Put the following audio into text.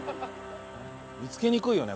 見つけにくいよね